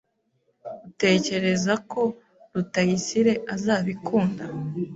Utekereza ko Rutayisire azabikunda?